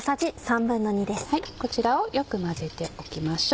こちらをよく混ぜておきましょう。